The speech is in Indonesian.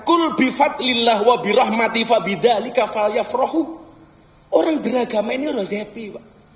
orang beragama ini harus happy pak